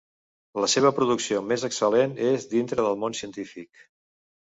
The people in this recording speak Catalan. La seva producció més excel·lent és dintre del món científic.